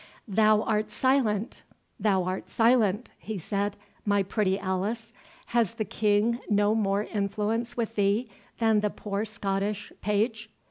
"Thou art silent—thou art silent," he said, "my pretty Alice. Has the King no more influence with thee than the poor Scottish page?"